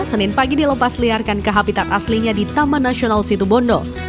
senin pagi dilepas liarkan ke habitat aslinya di taman nasional situbondo